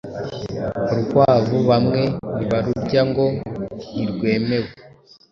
urukwavu bamwe ntibarurya ngo ntirwemewe